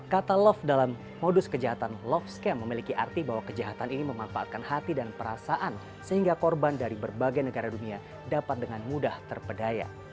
kata love dalam modus kejahatan love scam memiliki arti bahwa kejahatan ini memanfaatkan hati dan perasaan sehingga korban dari berbagai negara dunia dapat dengan mudah terpedaya